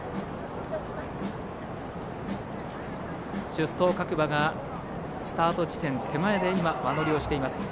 出走各馬がスタート地点手前で今、輪乗りをしています。